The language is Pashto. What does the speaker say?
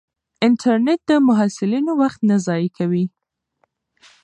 انټرنیټ د محصلینو وخت نه ضایع کوي.